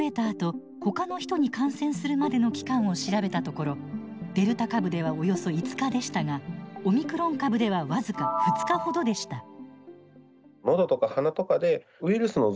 あとほかの人に感染するまでの期間を調べたところデルタ株ではおよそ５日でしたがオミクロン株では僅か２日ほどでした。